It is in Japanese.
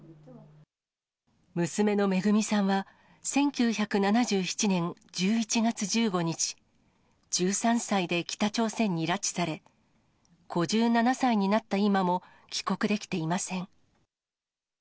娘のめぐみさんは、１９７７年１１月１５日、１３歳で北朝鮮に拉致され、５７歳になった今も、帰国できていません。